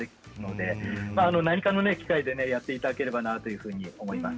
何かの機会にやってもらえればと思います。